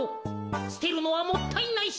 すてるのはもったいないし。